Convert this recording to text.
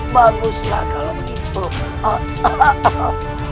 baguslah kalau begitu